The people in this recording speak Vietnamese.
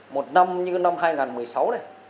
một năm như năm hai nghìn một mươi sáu này